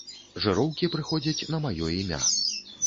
Жыроўкі прыходзяць на маё імя.